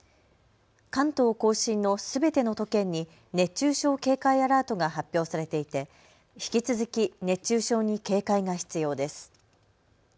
関東甲信のすべての都県に熱中症警戒アラートが発表されていて引き続き熱中症に警戒が必要です。